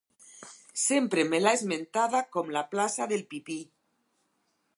Sempre me l'han esmentada com la plaça del Pipí.